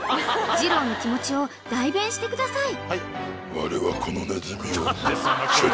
２郎の気持ちを代弁してください］